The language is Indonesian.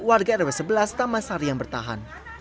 warga rw sebelas tamasari yang bertahan